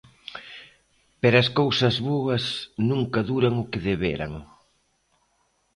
Pero as cousas boas nunca duran o que deberan.